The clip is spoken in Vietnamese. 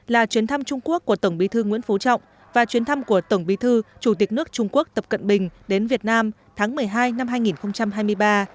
là chuyến thăm trung quốc của tổng bí thư nguyễn phú trọng và chuyến thăm của tổng bí thư chủ tịch nước trung quốc tập cận bình đến việt nam tháng một mươi hai năm hai nghìn hai mươi ba